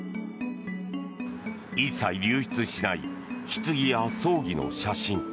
一切流出しないひつぎや葬儀の写真。